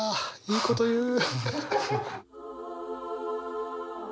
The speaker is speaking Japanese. いいこと言う。